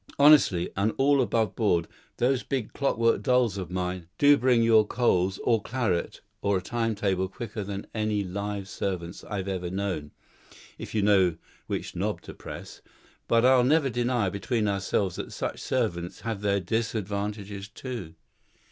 Honestly, and all above board, those big clockwork dolls of mine do bring your coals or claret or a timetable quicker than any live servants I've ever known, if you know which knob to press. But I'll never deny, between ourselves, that such servants have their disadvantages, too."